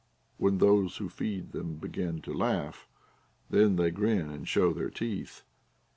When those who feed them begin to laugh, then they grin and show their teeth.